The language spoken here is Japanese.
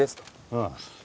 ああ。